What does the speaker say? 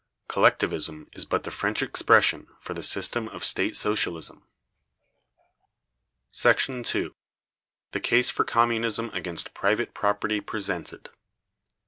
Collectivism is but the French expression for the system of state socialism. § 2. The case for Communism against private property presented.